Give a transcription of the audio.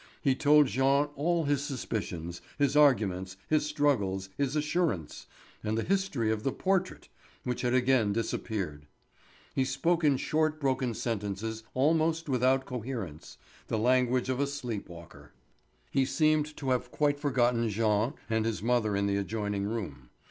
He told Jean all his suspicions, his arguments, his struggles, his assurance, and the history of the portrait—which had again disappeared. He spoke in short broken sentences almost without coherence—the language of a sleep walker. He seemed to have quite forgotten Jean, and his mother in the adjoining room.